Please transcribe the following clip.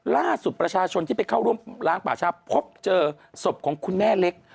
ล่าสุดประชาชนที่ไปเข้าร่วมล้างป่าชาพบเจอศพของคุณแม่เล็ก